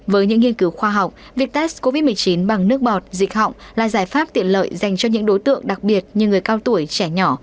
với những nghiên cứu khoa học việc test covid một mươi chín bằng nước bọt dịch họng là giải pháp tiện lợi dành cho những đối tượng đặc biệt như người cao tuổi trẻ nhỏ